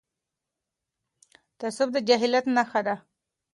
تعصب د جهالت نښه ده..